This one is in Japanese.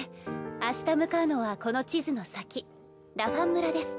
あした向かうのはこの地図の先ラファン村です。